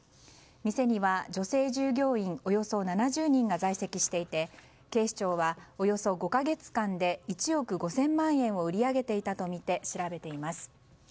店には女性従業員およそ７０人が在籍していて警視庁はおよそ５か月間で１億５０００万円を売り上げていたとみて調べています。